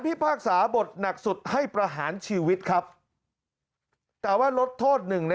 พิพากษาบทหนักสุดให้ประหารชีวิตครับแต่ว่าลดโทษหนึ่งใน